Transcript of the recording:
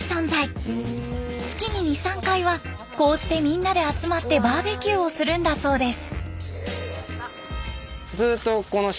月に２３回はこうしてみんなで集まってバーベキューをするんだそうです。